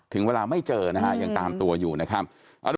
ถึงเวลาไม่เจอนะฮะยังตามตัวอยู่นะครับ